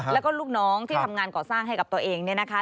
แล้วก็ลูกน้องที่ทำงานก่อสร้างให้กับตัวเองเนี่ยนะคะ